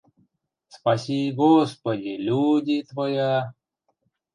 – Спаси-и, Господи, люди твоя...